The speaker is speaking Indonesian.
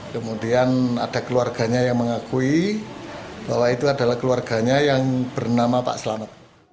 kemudian ada keluarganya yang mengakui bahwa itu adalah keluarganya yang bernama pak selamat